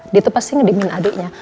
dia tuh pasti ngedimin adiknya